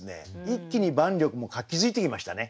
一気に万緑も活気づいてきましたね。